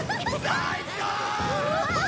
最高！